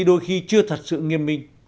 đôi khi chưa thật sự nghiêm minh